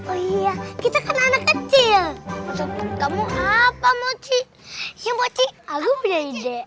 oh iya kita kan anak kecil kamu apa mochi mochi aku pede pede